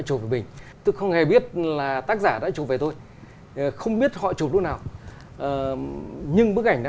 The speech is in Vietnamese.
chụp mình tôi không nghe biết là tác giả đã chụp về tôi không biết họ chụp lúc nào nhưng bức ảnh đã